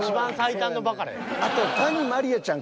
あと谷まりあちゃん